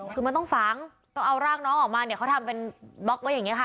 คือมันต้องฝังต้องเอาร่างน้องออกมาเนี่ยเขาทำเป็นบล็อกไว้อย่างนี้ค่ะ